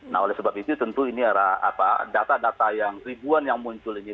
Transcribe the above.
nah oleh sebab itu tentu ini data data yang ribuan yang muncul ini